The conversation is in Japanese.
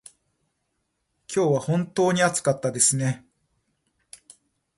今日は本当に暑かったですね。